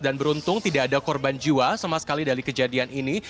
dan beruntung tidak ada korban jiwa sama sekali dari kejadian ini